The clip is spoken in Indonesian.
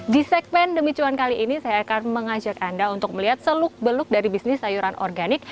di segmen demi cuan kali ini saya akan mengajak anda untuk melihat seluk beluk dari bisnis sayuran organik